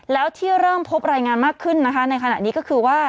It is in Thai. แล้วที่เริ่มพบรายงานมากขึ้นนะคะในขณะนี้ก็คือว่า